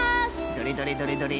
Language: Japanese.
どれどれどれどれ？